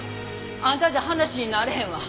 あんたじゃ話になれへんわ。